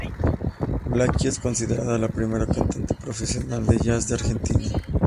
Blackie es considerada la primera cantante profesional de jazz de Argentina.